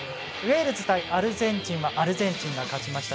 ウェールズ対アルゼンチンはアルゼンチンが勝ちました。